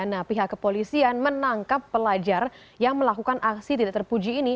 nah pihak kepolisian menangkap pelajar yang melakukan aksi tidak terpuji ini